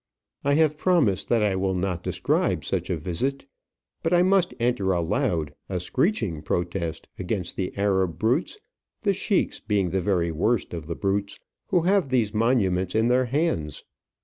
I have promised that I will not describe such a visit, but I must enter a loud, a screeching protest against the Arab brutes the schieks being the very worst of the brutes who have these monuments in their hands.